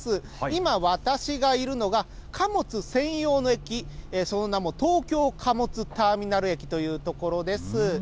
今、私がいるのが、貨物専用の駅、その名も、東京貨物ターミナル駅という所です。